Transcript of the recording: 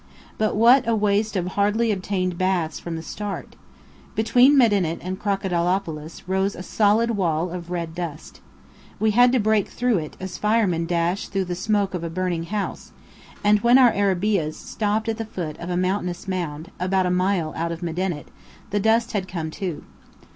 But what a waste of hardly obtained baths before the start! Between Medinet and Crocodilopolis rose a solid wall of red dust. We had to break through it, as firemen dash through the smoke of a burning house; and when our arabeahs stopped at the foot of a mountainous mound, about a mile out of Medinet, the dust had come too.